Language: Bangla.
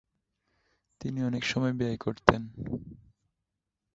তিনি অনেক সময় ব্যয় করতেন।